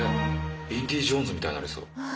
「インディ・ジョーンズ」みたいになりそう。